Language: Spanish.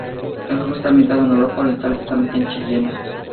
El juego está ambientado en Europa oriental, exactamente en Chechenia.